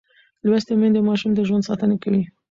لوستې میندې د ماشوم د ژوند ساتنه کوي.